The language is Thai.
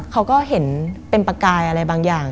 เขาก็เห็นเป็นประกายอะไรบางอย่าง